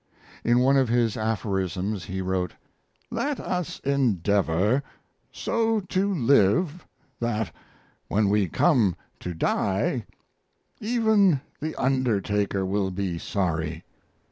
In one of his aphorisms he wrote: "Let us endeavor so to live that when we come to die even the undertaker will be sorry."